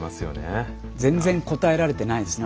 全然答えられてないですね